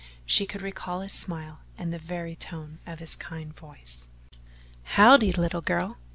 She could recall his smile and the very tone of his kind voice: "Howdye, little girl!"